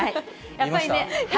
やっぱりね。